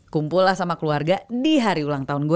kumpul lah sama keluarga di hari ulang tahun gue